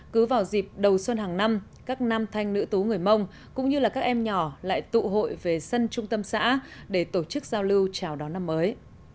cứ vào dịp đầu xuân hàng năm các nam thanh nữ tú người mông cũng như là các em nhỏ lại tụ hội về sân trung tâm xã để tổ chức giao lưu chào đón năm mới